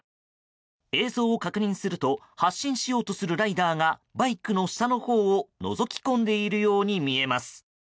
映像を確認すると発進しようとするライダーがバイクの下のほうをのぞき込んでいるように見えます。